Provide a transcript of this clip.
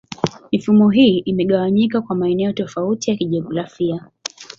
Mifumo hii imegawanyika kwa maeneo tofauti ya kijiografia.